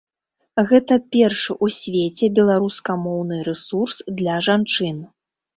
Гэта першы ў свеце беларускамоўны рэсурс для жанчын.